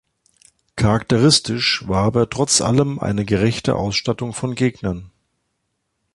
Charakteristisch war aber trotz allem eine „gerechte“ Ausstattung von Gegnern.